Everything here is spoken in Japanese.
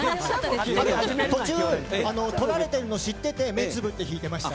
途中、来られているのを知ってて目つぶって弾いてました。